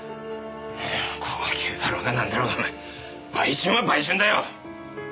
高級だろうがなんだろうがお前売春は売春だよ！